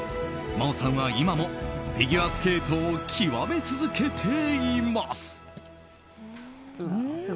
真央さんは今もフィギュアスケートを極め続けています。